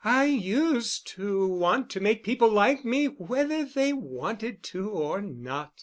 I used to want to make people like me whether they wanted to or not.